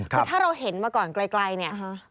คือถ้าเราเห็นมาก่อนไกลเนี่ย